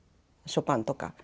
ショパンとか。